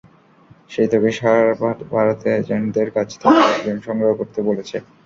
সে তোকে সারা ভারতে এজেন্টদের কাছ থেকে অগ্রিম সংগ্রহ করতে বলেছে।